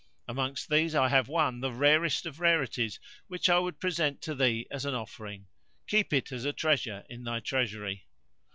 Amongst these I have one, the rarest of rarities, which I would present to thee as an offering: keep it as a treasure in thy treasury."